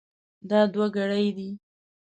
دا دوه ګړۍ دي.